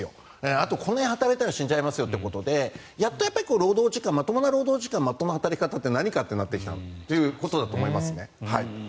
あとこんなに働いたら死んじゃいますよということでやっとまともな労働時間まともな働き方って何かとなってきたということだと思います。